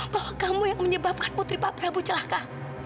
bahwa kamu yang menyebabkan putri pak prabu celaka